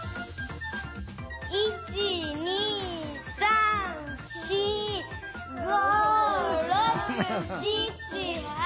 １２３４５６７８！